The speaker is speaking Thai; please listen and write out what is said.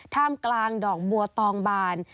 ท่ามกลางดอกบัวตองบาน